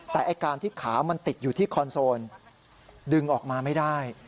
แต่ไอ้การที่ขามันติดอยู่ที่คอนโซลดึงออกมาไม่ได้